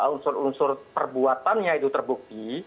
unsur unsur perbuatannya itu terbukti